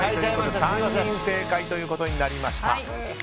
３人正解ということになりました。